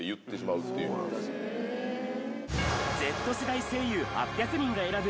Ｚ世代声優８００人が選ぶ！